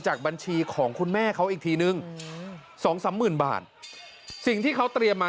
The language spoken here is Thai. บัญชีของคุณแม่เขาอีกทีนึงสองสามหมื่นบาทสิ่งที่เขาเตรียมมา